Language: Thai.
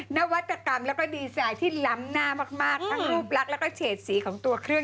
นวัตกรรมแล้วก็ดีไซน์ที่ล้ำหน้ามากทั้งรูปลักษณ์แล้วก็เฉดสีของตัวเครื่อง